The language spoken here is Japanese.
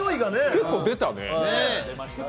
結構出たね。